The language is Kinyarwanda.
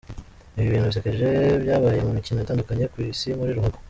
Ibi bintu bisekeje byabaye mu mikino itandukanye ku isi muri ruhago.